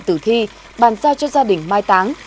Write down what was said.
tử thi bàn giao cho gia đình mai táng